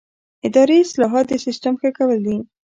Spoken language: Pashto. اداري اصلاحات د سیسټم ښه کول دي